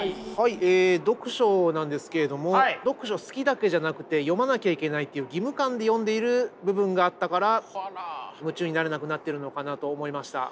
え読書なんですけれども読書好きだけじゃなくて読まなきゃいけないっていう義務感で読んでいる部分があったから夢中になれなくなってるのかなと思いました。